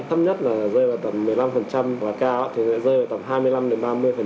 thấp nhất là rơi vào tầm một mươi năm và cao thì rơi vào tầm hai mươi năm năm mươi khoảng ngày đó